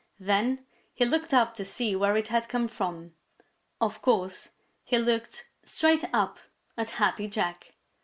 Then he looked up to see where it had come from. Of course, he looked straight up at Happy Jack.